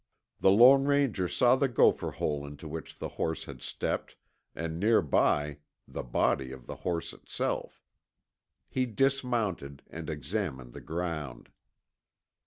The Lone Ranger saw the gopher hole into which the horse had stepped, and near by, the body of the horse itself. He dismounted and examined the ground.